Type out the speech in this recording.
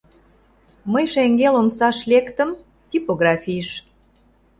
— Мый шеҥгел омсаш лектым, типографийыш.